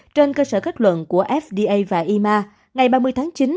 trên cơ sở kết luận của fda và ima ngày ba mươi tháng chín